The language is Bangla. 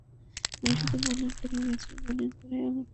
আমি শুধু বোলিং করে গেছি, বোলিং করেই আমার শারীরিক গড়ন দাঁড়িয়ে গেছে।